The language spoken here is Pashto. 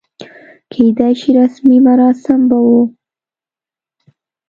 کېدای شي رسمي مراسم به و.